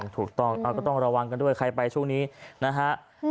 ถูกต้องก็ต้องระวังกันด้วยใครไปช่วงนี้นะฮะ